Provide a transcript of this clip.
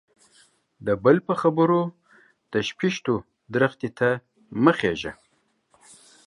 د بل په خبرو د شپيشتو درختي ته مه خيژه.